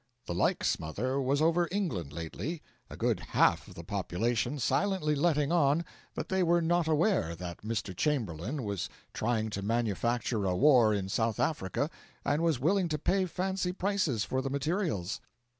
The like smother was over England lately, a good half of the population silently letting on that they were not aware that Mr. Chamberlain was trying to manufacture a war in South Africa and was willing to pay fancy prices for the materials.